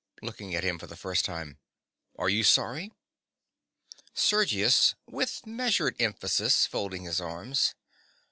(Looking at him for the first time.) Are you sorry? SERGIUS. (with measured emphasis, folding his arms).